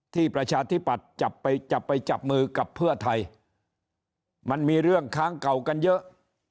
ประชาธิปัตย์จับไปจะไปจับมือกับเพื่อไทยมันมีเรื่องค้างเก่ากันเยอะ